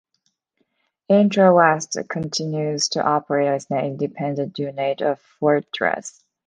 Intrawest continues to operate as an independent unit of Fortress.